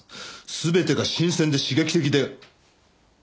全てが新鮮で刺激的で面白い。